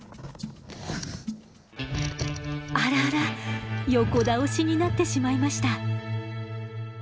あらあら横倒しになってしまいました。